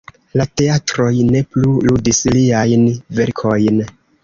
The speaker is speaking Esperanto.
La teatroj ne plu ludis liajn verkojn.